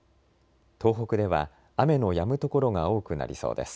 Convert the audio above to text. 東北では雨のやむ所が多くなりそうです。